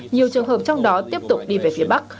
nhiều trường hợp trong đó tiếp tục đi về phía bắc